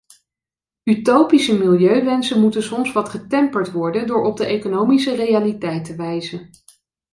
Utopische milieuwensen moeten soms wat getemperd worden door op de economische realiteit te wijzen.